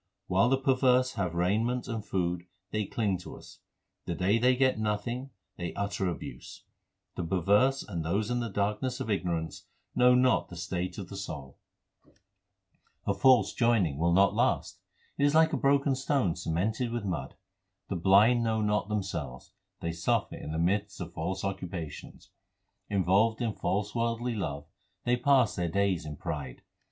While the perverse have raiment and food they cling to us ; The day they get nothing they utter abuse. The perverse and those in the darkness of ignorance know not the state of the soul. 1 This name in the Granth Sahib obviously means God. HYMNS OF GURU ARJAN 413 A false joining will not last ; it is like a broken stone cemented with mud. The blind know not themselves ; they suffer in the midst of false occupations. Involved in false worldly love they pass their days in pride.